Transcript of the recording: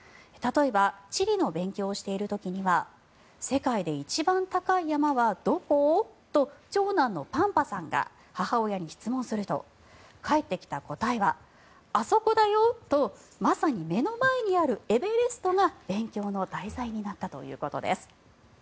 例えば地理の勉強をしている時には世界で一番高い山はどこ？と長男のパンパさんが母親に質問すると帰ってきた答えはあそこだよとまさに目の前にあるエベレストが勉強の題材になったということです。